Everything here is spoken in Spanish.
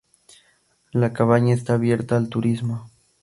La cabaña está abierta al turismo.